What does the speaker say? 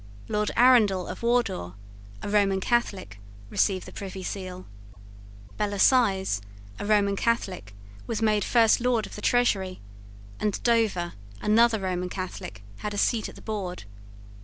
Lord Arundell of Wardour, a Roman Catholic, received the Privy Seal. Bellasyse, a Roman Catholic, was made First Lord of the Treasury; and Dover, another Roman Catholic, had a seat at the board.